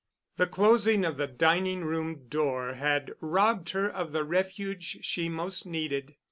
The closing of the dining room door had robbed her of the refuge she most needed.